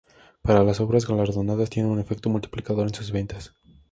Para las obras galardonadas, tiene un efecto multiplicador en sus ventas.